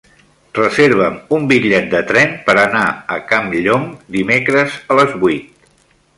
Reserva'm un bitllet de tren per anar a Campllong dimecres a les vuit.